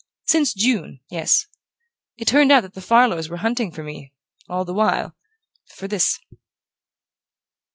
"Since June; yes. It turned out that the Farlows were hunting for me all the while for this."